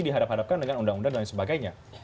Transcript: dihadap hadapkan dengan undang undang dan lain sebagainya